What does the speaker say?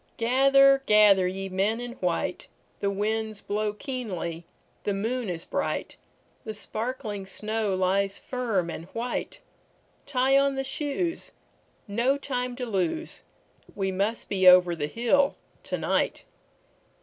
Gather, gather, ye men in white; The winds blow keenly, the moon is bright, The sparkling snow lies firm and white; Tie on the shoes, no time to lose, We must be over the hill to night.